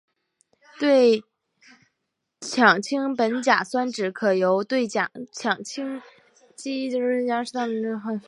对羟基苯甲酸酯可由对羟基苯甲酸加上适当的醇的酯化反应制成。